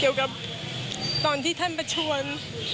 เกี่ยวกับตอนที่ท่านประชวน